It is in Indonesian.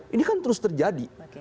ini kan terus terjadi